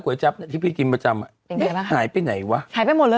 กล้วยทอด๒๐๓๐บาท